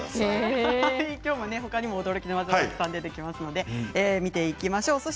きょうは、ほかにも驚きの技が出てきますので見ていきましょう。